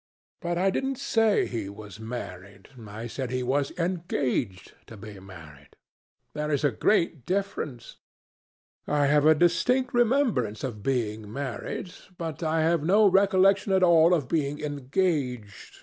"But I didn't say he was married. I said he was engaged to be married. There is a great difference. I have a distinct remembrance of being married, but I have no recollection at all of being engaged.